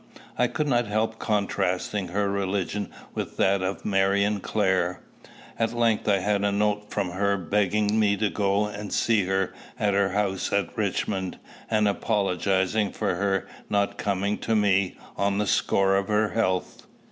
I could not help contrasting her religion with that of Marion Clare. At length I had a note from her, begging me to go and see her at her house at Richmond, and apologizing for her not coming to me, on the score of her health.